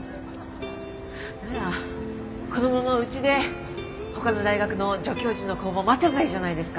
ならこのままうちで他の大学の助教授の公募待てばいいじゃないですか。